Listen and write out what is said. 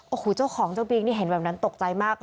โอ้โหเจ้าของเจ้าบิ๊กนี่เห็นแบบนั้นตกใจมาก